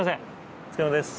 お疲れさまです。